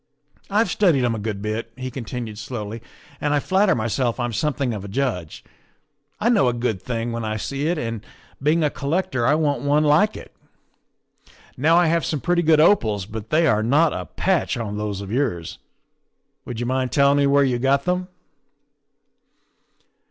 " I've studied 'em a good bit," he continued slowly, " and I flatter myself I'm something of a judge. I know a good thing when I see it, and being a collector THE SECRETARY OF STATE 133 I want one like it. Now I have some pretty good opals, but they are not a patch on those of yours. Would you mind telling me where you got them?"